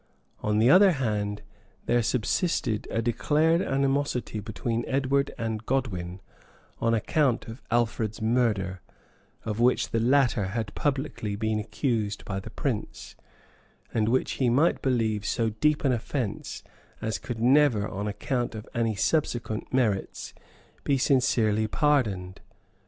On the other hand, there subsisted a declared animosity between Edward and Godwin, on account of Alfred's murder; of which the latter had publicly been accused by the prince, and which he might believe so deep an offence, as could never, on account of any subsequent merits, be sincerely pardoned.